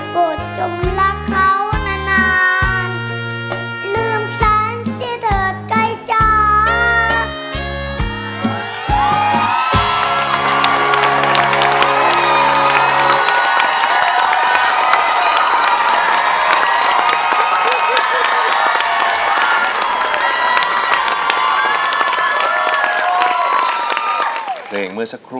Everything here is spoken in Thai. โบสถ์จงรักเขานานลืมแคล้นที่เธอใกล้จาก